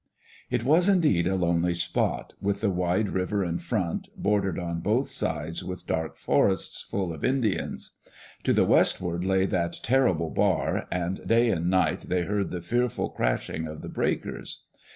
It was indeed a lonely spot, with the wide river in front, bordered on both sides with dark forests, full of Indians. [To the westward lay that terrible bar, and day and night they heard the fearful crashing of the breakers.